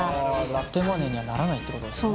ラテマネーにはならないってことですね。